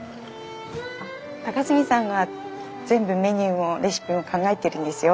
高杉さんが全部メニューもレシピも考えてるんですよ。